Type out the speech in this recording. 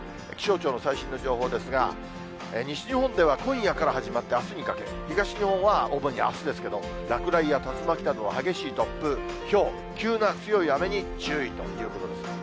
気象庁の最新の情報ですが、西日本では今夜から始まってあすにかけ、東日本は主にあすですけど、落雷や竜巻などの激しい突風、ひょう、急な強い雨に注意ということです。